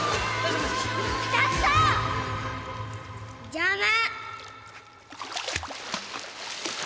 邪魔。